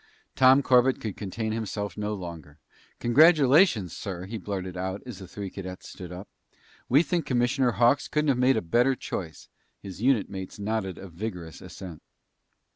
Tom Corbett could contain himself no longer. "Congratulations, sir!" he blurted out as the three cadets stood up. "We think Commissioner Hawks couldn't have made a better choice!" His unit mates nodded a vigorous assent.